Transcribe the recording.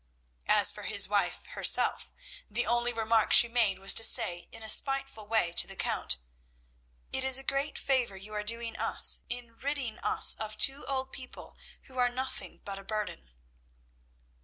As for his wife herself, the only remark she made was to say in a spiteful way to the Count "It is a great favour you are doing us in ridding us of two old people who are nothing but a burden!"